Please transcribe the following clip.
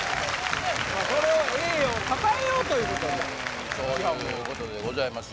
その栄誉をたたえようということでそういうことでございますよ